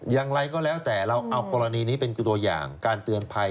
อย่างไรก็แล้วแต่เราเอากรณีนี้เป็นตัวอย่างการเตือนภัย